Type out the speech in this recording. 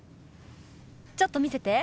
ちょっと見せて。